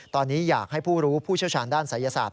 ตอนนี้อยากให้ผู้รู้ผู้เชี่ยวชาญด้านศัยศาสต